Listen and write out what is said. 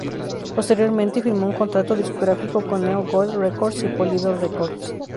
Posteriormente firmó un contrato discográfico con Neon Gold Records y Polydor Records.